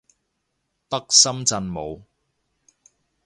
得深圳冇